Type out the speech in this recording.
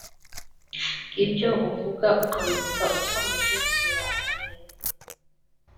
ibyo uvuga ukabivuga ukomeje sobanura neza